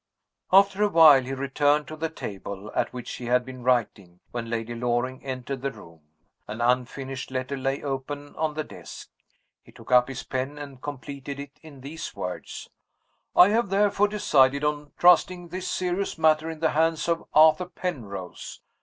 After a while, he returned to the table at which he had been writing when Lady Loring entered the room. An unfinished letter lay open on the desk. He took up his pen and completed it in these words: "I have therefore decided on trusting this serious matter in the hands of Arthur Penrose.